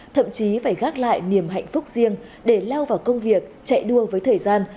thậm chí phải gác lại niềm hạnh phúc riêng để lao vào công việc chạy đua với thời gian